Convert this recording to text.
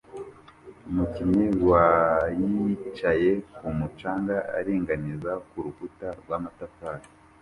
Umukinnyi wa yicaye kumu canga aringaniza kurukuta rw'amatafari